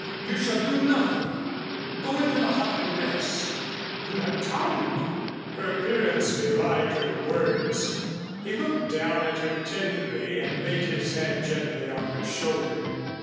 You shall do nothing go into the hut and rest." "I'm not tired." Her appearance belied her words. He looked down at her tenderly and laid his hand gently on her shoulder.